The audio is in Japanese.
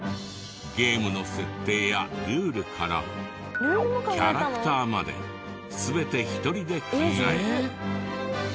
ゲームの設定やルールからキャラクターまで全て１人で考え。